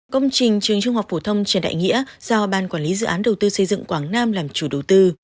công trình trường trung học phổ thông trần đại nghĩa do ban quản lý dự án đầu tư xây dựng quảng nam làm chủ đầu tư